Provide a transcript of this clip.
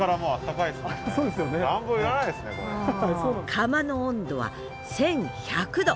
窯の温度は１，１００℃！